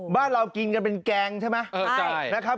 บ้านเรากินกันเป็นแกงใช่ไหมนะครับ